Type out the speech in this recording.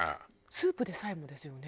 スープでさえもですよね。